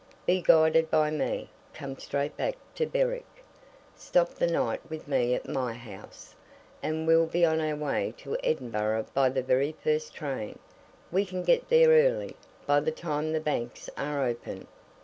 Be guided by me come straight back to Berwick, stop the night with me at my house, and we'll be on our way to Edinburgh by the very first train we can get there early, by the time the banks are open.